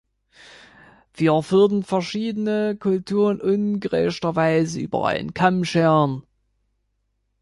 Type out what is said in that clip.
Wir würden verschiedene Kulturen ungerechterweise über einen Kamm scheren.